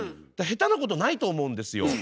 だから下手なことないと思うんですよ。